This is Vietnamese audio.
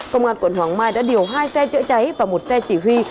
công an quận hoàng mai đã điều hai xe chữa cháy và một xe chỉ huy